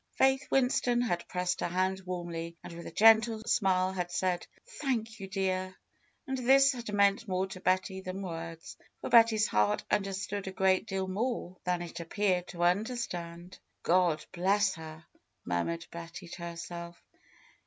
Faith Winston had pressed her hand warmly, and with a gentle smile had said, ^^Thank you, dear !" And this had meant more to Betty than words; for Betty's heart understood a great deal more than it ap peared to understand. ^^God bless her !" murmured Betty to herself.